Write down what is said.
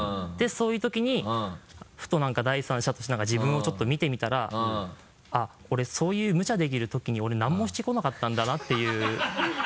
でそういうときにふと何か第三者として自分をちょっと見てみたらあっ俺そういうムチャできるときに俺何もしてこなかったんだなっていう。